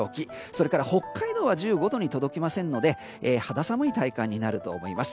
それから北海道は１５度に届きませんので肌寒い体感になります。